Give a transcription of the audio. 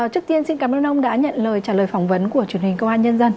trước tiên xin cảm ơn ông đã nhận lời trả lời phỏng vấn của truyền hình công an nhân dân